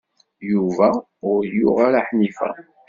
Yuba ur yuɣ ara Ḥnifa.